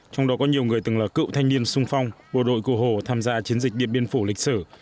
trong đó có nhiều người từng là cựu thanh niên sung phong bộ đội cổ hồ tham gia chiến dịch điện biên phủ lịch sử